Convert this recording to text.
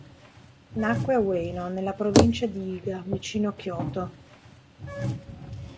Nacque a Ueno, nella provincia di Iga, vicino Kyōto.